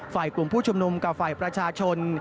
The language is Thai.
ฝ่ายกลุ่มผู้ชุมนุมกับฝ่ายประชาชน